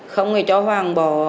không người cho hoàng bỏ